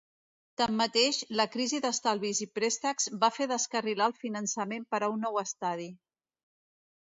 Tanmateix, la crisi d'estalvis i préstecs va fer descarrilar el finançament per a un nou estadi.